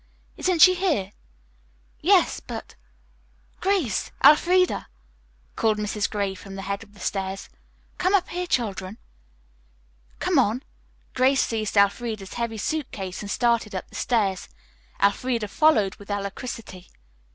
"Isn't she here?" "Yes, but " "Grace! Elfreda!" called Mrs. Gray from the head of the stairs, "come up here, children." "Come on." Grace seized Elfreda's heavy suit case and started up the stairs. Elfreda followed with alacrity.